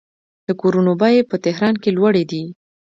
د کورونو بیې په تهران کې لوړې دي.